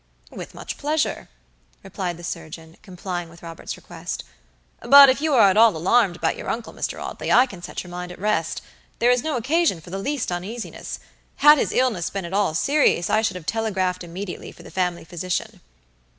"With much pleasure," replied the surgeon, complying with Robert's request; "but if you are at all alarmed about your uncle, Mr. Audley, I can set your mind at rest. There is no occasion for the least uneasiness. Had his illness been at all serious I should have telegraphed immediately for the family physician."